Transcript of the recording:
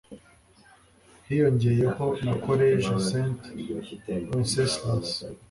hiyongeyeho na collège st wenceslas